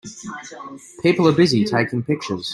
People are busy taking pictures.